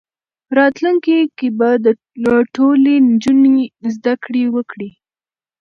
راتلونکي کې به ټولې نجونې زدهکړې وکړي.